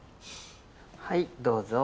はいどうぞ。